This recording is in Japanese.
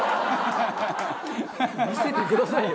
見せてくださいよ。